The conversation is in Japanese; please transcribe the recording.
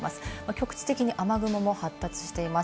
局地的に雨雲も発達しています。